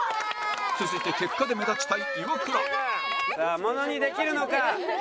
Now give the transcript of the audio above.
続いて結果で目立ちたいイワクラさあものにできるのか？